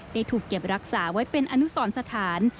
ถูกเก็บรักษาไว้เป็นอนุสรสถาน